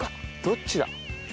どっちだ？